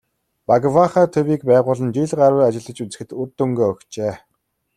"Багваахай" төвийг байгуулан жил гаруй ажиллаж үзэхэд үр дүнгээ өгчээ.